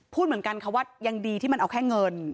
พูดเหมือนกันค่ะว่ายังดีที่มันเอาแค่เงิน